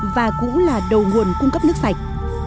và cũng là đầu nguồn cung cấp nước sạch